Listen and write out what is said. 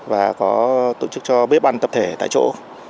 và có tổ chức cho bếp ăn tập thể tại chỗ